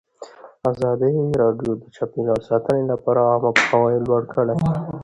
ازادي راډیو د چاپیریال ساتنه لپاره عامه پوهاوي لوړ کړی.